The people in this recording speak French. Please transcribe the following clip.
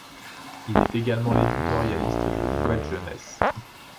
Il est également l'éditorialiste de Nouvelle Jeunesse.